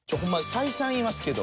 再三言いますけど。